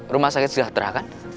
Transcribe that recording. rumah sakit sejahtera kan